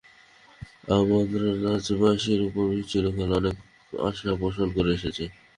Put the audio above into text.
আমি মান্দ্রাজবাসীর উপর চিরকাল অনেক আশা পোষণ করে এসেছি।